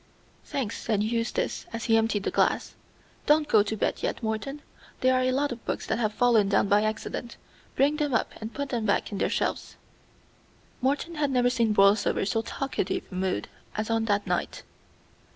"Thanks," said Eustace, as he emptied the glass. "Don't go to bed yet, Morton. There are a lot of books that have fallen down by accident; bring them up and put them back in their shelves." Morton had never seen Borlsover in so talkative a mood as on that night.